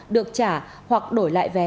được trả hoặc đổi lại vé